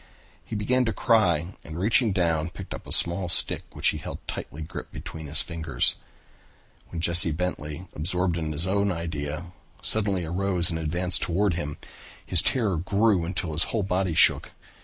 He began to cry and reaching down picked up a small stick, which he held tightly gripped in his fingers. When Jesse Bentley, absorbed in his own idea, suddenly arose and advanced toward him, his terror grew until his whole body shook.